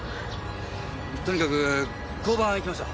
とにかく交番行きましょう。